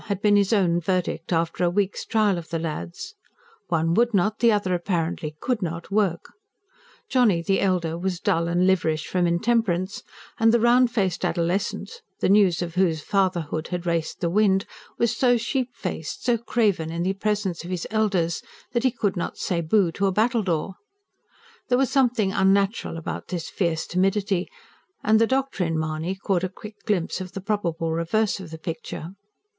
had been his own verdict, after a week's trial of the lads. One would not, the other apparently could not work. Johnny, the elder, was dull and liverish from intemperance; and the round faced adolescent, the news of whose fatherhood had raced the wind, was so sheep faced, so craven, in the presence of his elders, that he could not say bo to a battledore. There was something unnatural about this fierce timidity and the doctor in Mahony caught a quick glimpse of the probable reverse of the picture.